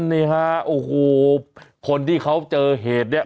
นี่ฮะโอ้โหคนที่เขาเจอเหตุเนี่ย